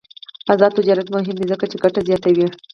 آزاد تجارت مهم دی ځکه چې ګټه زیاتوي.